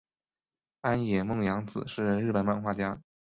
安野梦洋子是日本漫画家。